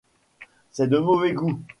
C'est de mauvais goût !